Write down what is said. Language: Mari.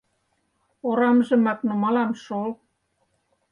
Орамжымак нумалам шол.